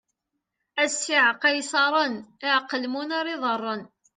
A ssiεqa ay iṣaṛen: aqelmun ar iḍaṛṛen!